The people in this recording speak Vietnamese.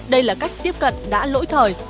đây là cách tiếp cận đã lỗi thời